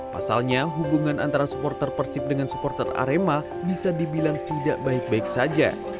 pasalnya hubungan antara supporter persib dengan supporter arema bisa dibilang tidak baik baik saja